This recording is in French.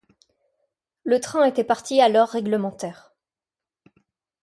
Le train était parti à l’heure réglementaire.